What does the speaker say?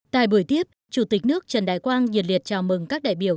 tại buổi tiếp chủ tịch nước trần đại quang nhiệt liệt chào mừng các đại biểu